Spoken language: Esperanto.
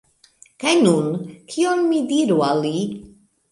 Kaj nun, kion mi diru al li?